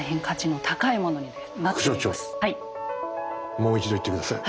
もう一度言って下さい。